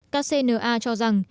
kcna cho rằng